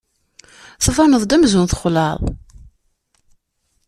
Tbaneḍ-d amzun txelɛeḍ.